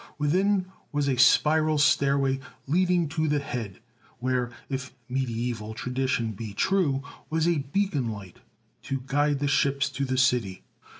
Within was a spiral stairway leading to the head, where, if mediaeval tradition be true, was a beacon light to guide the ships to the city.